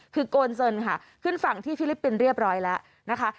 คือโกนเซินค่ะขึ้นฝั่งที่ฟิลิปปินส์เรียบร้อยแล้วนะคะ